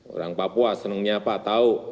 orang papua senangnya apa tahu